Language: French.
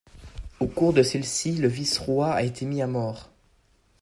Au cours de celles-ci, le vice-roi a été mis à mort.